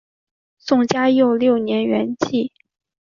宋嘉佑六年圆寂。